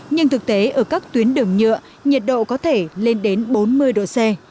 nhưng thực tế ở các tuyến đường nhựa nhiệt độ có thể lên đến bốn mươi độ c